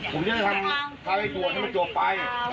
ผมจะได้ทำการให้ตัวให้มันจบไป